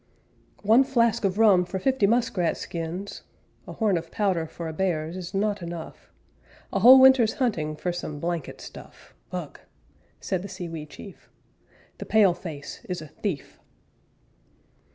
"_ "One flask of rum for fifty muskrat skins! A horn of powder for a bear's is not enough; A whole winter's hunting for some blanket stuff Ugh!" said the Sewee Chief, "The pale face is a thief!"